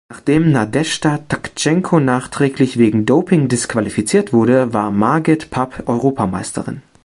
Nachdem Nadeschda Tkatschenko nachträglich wegen Doping disqualifiziert wurde, war Margit Papp Europameisterin.